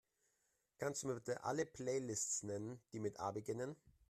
Kannst Du mir bitte alle Playlists nennen, die mit A beginnen?